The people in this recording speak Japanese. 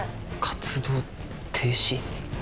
活動停止？